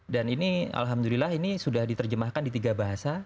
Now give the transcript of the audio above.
ini alhamdulillah ini sudah diterjemahkan di tiga bahasa